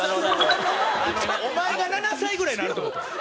お前が７歳ぐらいになるって事？